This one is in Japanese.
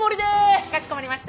かしこまりました。